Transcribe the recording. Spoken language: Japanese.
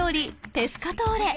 ペスカトーレ